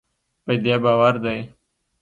په دې باور دی